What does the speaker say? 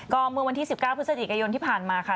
ก็เมื่อวันที่๑๙พฤศจิกายนที่ผ่านมาค่ะ